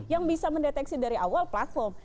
yang bisa mendeteksi dari awal platform